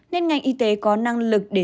nên ngành y tế có năng lực để